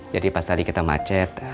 jadi pas tadi kita macet